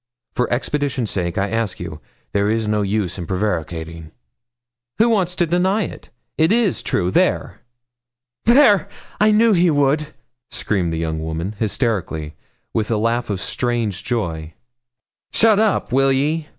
For expedition's sake I ask you. There is no use in prevaricating.' 'Who wants to deny it? It is true there!' 'There! I knew he would,' screamed the young woman, hysterically, with a laugh of strange joy. 'Shut up, will ye?'